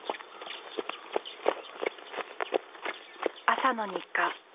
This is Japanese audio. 朝の日課。